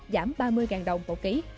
giảm ba mươi đồng một ký